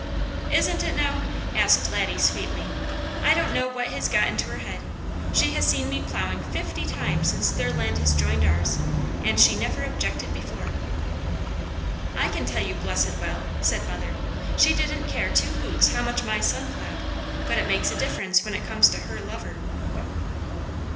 "Isn't it now?" asked Laddie sweetly. "I don't know what has got into her head. She has seen me plowing fifty times since their land has joined ours, and she never objected before." "I can tell you blessed well!" said mother. "She didn't care two hoots how much my son plowed, but it makes a difference when it comes to her lover."